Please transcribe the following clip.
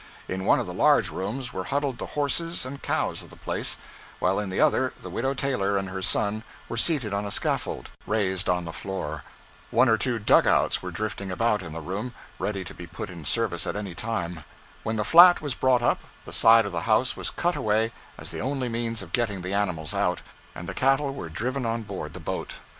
In one of the large rooms were huddled the horses and cows of the place, while in the other the Widow Taylor and her son were seated on a scaffold raised on the floor. One or two dug outs were drifting about in the roam ready to be put in service at any time. When the flat was brought up, the side of the house was cut away as the only means of getting the animals out, and the cattle were driven on board the boat.